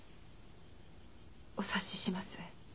お察しします。